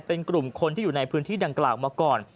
เป็นกลุ่มคนที่อยู่ในพื้นที่ดังกล่าวมาก่อน